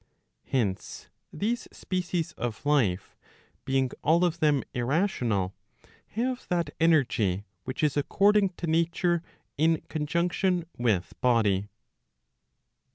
Hence, these species of life, being all of them irrational, have that energy which is according to nature in conjunction with body.